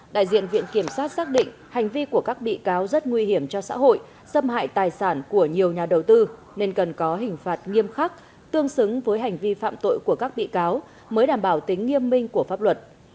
đại diện viện kiểm sát xác định hành vi của các bị cáo rất nguy hiểm cho xã hội xâm hại tài sản của nhiều nhà đầu tư nên cần có hình phạt nghiêm khắc tương xứng với hành vi phạm tội của các bị cáo mới đảm bảo tính nghiêm minh của pháp luật